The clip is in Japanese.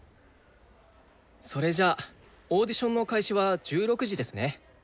それじゃあオーディションの開始は１６時ですね。